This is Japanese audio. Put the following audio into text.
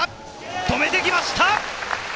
止めてきました！